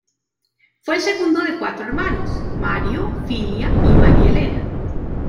Fue el segundo de cuatro hermanos: Mario, Filia y María Elena.